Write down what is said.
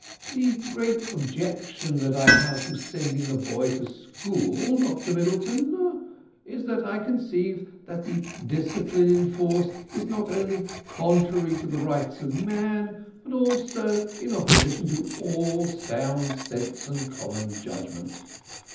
"The great objection that I have to sending a boy to school, Dr Middleton, is, that I conceive that the discipline enforced is, not only contrary to the rights of man, but also in opposition to all sound sense and common judgment.